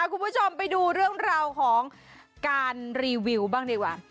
คุณผู้ชมไปดูเรื่องราวของการรีวิวบ้างดีกว่า